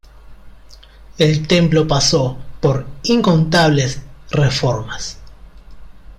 El templo pasó por incontables reformas.